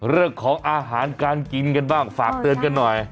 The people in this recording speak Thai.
เรื่องของอาหารการกินกันบ้างฝากเตือนกันหน่อย